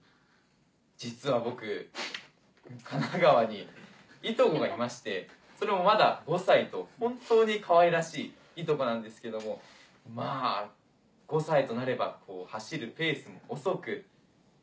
実は僕神奈川にいとこがいましてそれもまだ５歳と本当にかわいらしいいとこなんですけどもまぁ５歳となれば走るペースも遅く。